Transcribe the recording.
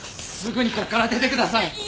すぐにここから出てください！